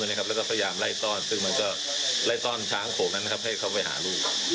แล้วก็พยายามไล่ต้อนซึ่งมันก็ไล่ต้อนช้างโผล่นั้นให้เขาไปหาลูก